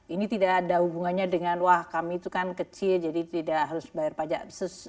ini tidak ada hubungannya dengan wah kami itu kan kecil jadi tidak harus bayar pajak